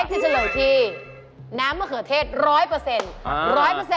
จะเฉลยที่น้ำมะเขือเทศ๑๐๐